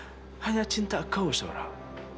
tidak pak hanya cinta kau seorang